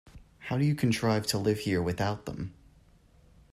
How do you contrive to live here without them?